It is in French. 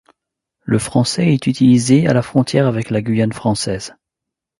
Le français est utilisé à la frontière avec la Guyane française.